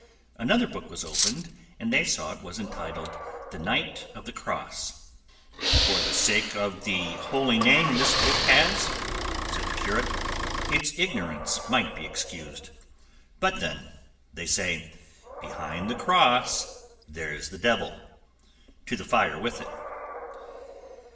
Another book was opened, and they saw it was entitled, "The Knight of the Cross." "For the sake of the holy name this book has," said the curate, "its ignorance might be excused; but then, they say, 'behind the cross there's the devil; to the fire with it."